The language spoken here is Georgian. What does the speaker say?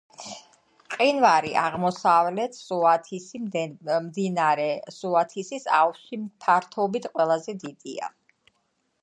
მყინვარი აღმოსავლეთ სუათისი მდინარე სუათისის აუზში ფართობით ყველაზე დიდია.